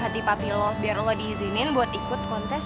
hati papi lo biar lo diizinin buat ikut kontes